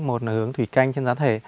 một là hướng thủy canh trên giá thể